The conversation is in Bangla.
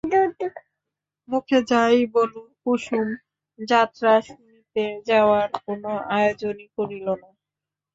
মুখে যাই বলুক, কুসুম যাত্রা শুনিতে যাওয়ার কোনো আয়োজনই করিল না।